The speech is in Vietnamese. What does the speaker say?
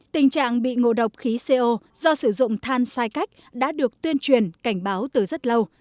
tình trạng bị ngộ độc khí co do sử dụng than sai cách đã được tuyên truyền cảnh báo từ rất lâu